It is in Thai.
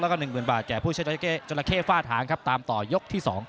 และก็อีก๑๐๐๐๐บาทแก่ผู้ชะแจ๊วเจอระเจ๊ฟาร์ธานตามต่อยกที่๒